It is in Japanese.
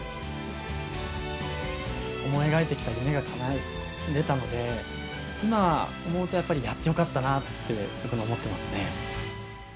思い描いてきた夢がかなえられたので今思うとやっぱりやってよかったなって思ってますね。